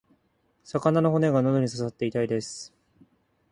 魚の骨が喉に刺さって痛いです。